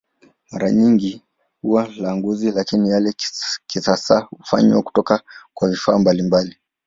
Mara nyingi huwa la ngozi, lakini yale ya kisasa hufanywa kutoka kwa vifaa mbalimbali.